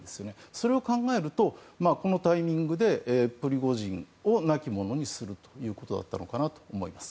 それを考えるとこのタイミングでプリゴジンを亡き者にするということだったのかなと思います。